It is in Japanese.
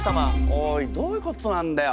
おいどういうことなんだよ？